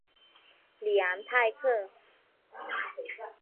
里昂泰克。